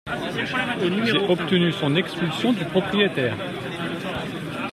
J’ai obtenu son expulsion du propriétaire.